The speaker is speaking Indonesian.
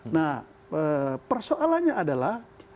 nah persoalannya adalah